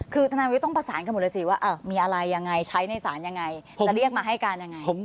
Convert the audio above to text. คือธนาวิทย์ต้องประสานกันหมดเลยสิว่ามีอะไรยังไงใช้ในศาลยังไงจะเรียกมาให้การยังไง